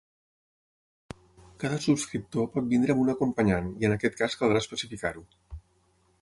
Cada subscriptor pot venir amb un acompanyant i en aquest cas caldrà especificar-ho.